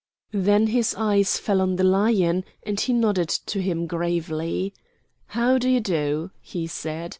Then his eyes fell on the Lion, and he nodded to him gravely. "How do you do?" he said.